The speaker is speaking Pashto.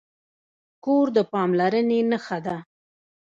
کور د پاملرنې نښه ده.